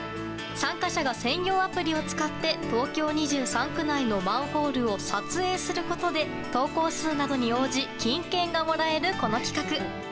参加者が専用アプリを使って東京２３区内のマンホールを撮影することで投稿数などに応じ金券がもらえる、この企画。